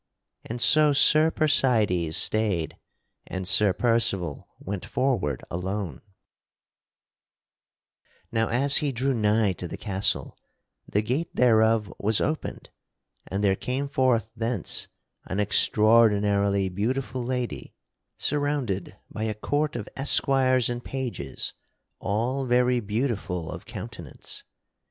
And so Sir Percydes stayed and Sir Percival went forward alone. [Sidenote: The Lady Vivien cometh forth to Sir Percival] Now as he drew nigh to the castle the gate thereof was opened, and there came forth thence an extraordinarily beautiful lady surrounded by a court of esquires and pages all very beautiful of countenance.